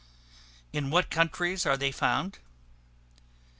In what countries are they found?